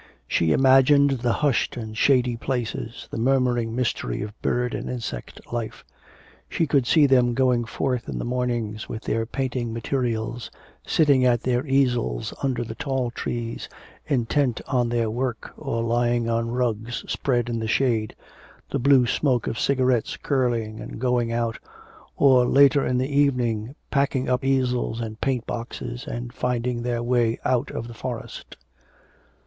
She imagined the hushed and shady places, the murmuring mystery of bird and insect life. She could see them going forth in the mornings with their painting materials, sitting at their easels under the tall trees, intent on their work or lying on rugs spread in the shade, the blue smoke of cigarettes curling and going out, or later in the evening packing up easels and paint boxes, and finding their way out of the forest.